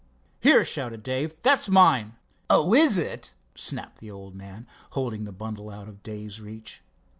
"Here!" shouted Dave, "that's mine." "Oh, is it?" snapped the old man, holding the bundle out of Dave's reach.